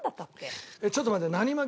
ちょっと待って何巻。